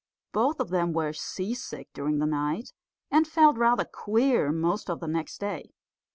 Both of them were sea sick during the night, and felt rather queer most of the next day.